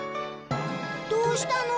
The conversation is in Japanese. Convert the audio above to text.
どうしたの？